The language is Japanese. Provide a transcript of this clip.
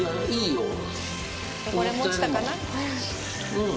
うん。